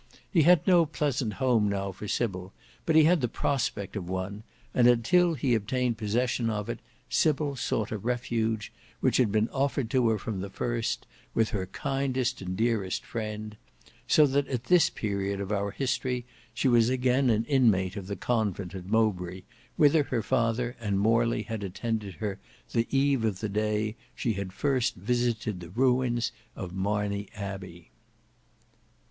He had no pleasant home now for Sybil, but he had the prospect of one, and until he obtained possession of it, Sybil sought a refuge, which had been offered to her from the first, with her kindest and dearest friend; so that at this period of our history, she was again an inmate of the convent at Mowbray, whither her father and Morley had attended her the eve of the day she had first visited the ruins of Marney Abbey.